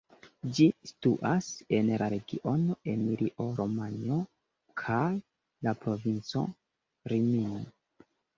Ĝi situas en la regiono Emilio-Romanjo kaj la provinco Rimini.